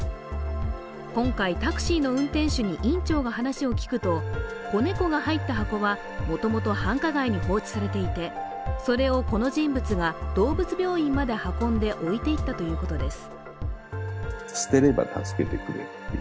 今回、タクシーの運転手に院長が話を聞くと子猫が入った箱はもともと繁華街に放置されていてそれをこの人物が動物病院まで運んで置いていったということです。